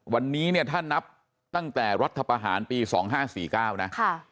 วันนี้เนี่ยถ้านับตั้งแต่รัฐประหารปี๒๕๔๙นะ